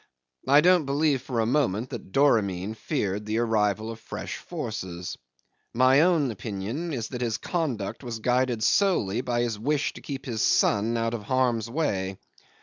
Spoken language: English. I don't believe for a moment that Doramin feared the arrival of fresh forces. My opinion is that his conduct was guided solely by his wish to keep his son out of harm's way.